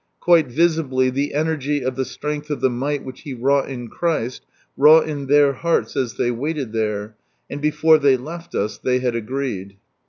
Quite visibly the " Energy of the strength of the might which He wrought in Christ," wrought in their hearts as they waited there, and before they left us tliey had " agreed."